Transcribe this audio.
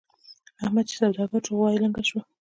احمد چې سوداګر شو؛ غوا يې لنګه شوه.